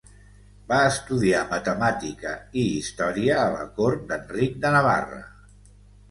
Va estudiar matemàtica i història a la cort d'Enric de Navarra.